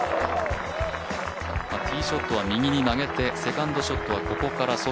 ティーショットは右に曲げてセカンドショットはここから。